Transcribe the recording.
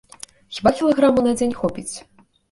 Хіба кілаграму на дзень хопіць?